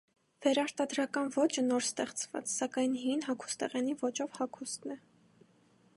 Վերարտադրական ոճը նոր ստեղծված, սակայն հին հագուստեղենի ոճով հագուստն է։